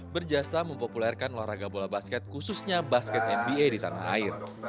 berjasa mempopulerkan olahraga bola basket khususnya basket nba di tanah air